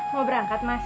mau berangkat mas